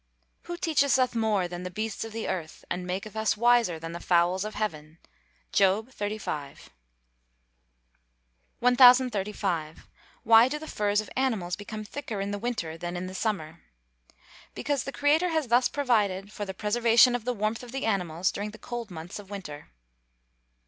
[Verse: "Who teacheth us more than the beasts of the earth, and maketh us wiser than the fowls of heaven?" JOB XXXV.] 1035. Why do the furs of animals become thicker in the winter than in the summer? Because the creator has thus provided for the preservation of the warmth of the animals during the cold months of winter.